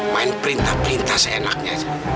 main perintah perintah seenaknya